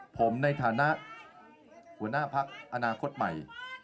ผมในฐานะหัวหน้าพักอนาคตใหม่